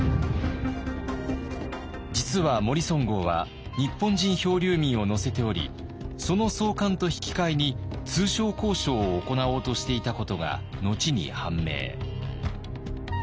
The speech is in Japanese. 実はモリソン号は日本人漂流民を乗せておりその送還と引き換えに通商交渉を行おうとしていたことが後に判明。